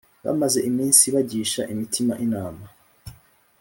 bamaze iminsi bagisha imitima inama